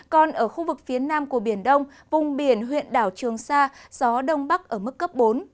còn ở khu vực phía nam của biển đông vùng biển huyện đảo trường sa gió đông bắc ở mức cấp bốn